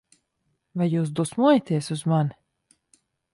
Vai jūs dusmojaties uz mani?